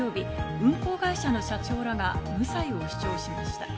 運行会社の社長らが無罪を主張しました。